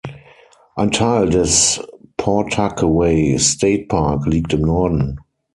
Ein Teil des Pawtuckaway State Park liegt im Norden.